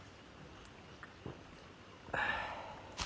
ああ。